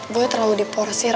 boy terlalu diporsir